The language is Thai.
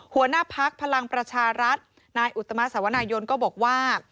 หัวหน้าพักพลังประชารัฐนายอุตมาสวนายนก็บอกว่า